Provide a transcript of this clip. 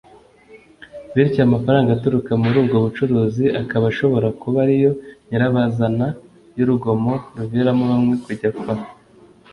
bityo amafaranga aturuka muri ubwo bucuruzi akaba ashobora kuba ariyo nyirabazana y’urugomo ruviramo bamwe kujya kwa muganga